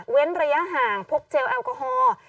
ระยะห่างพบเจลแอลกอฮอล์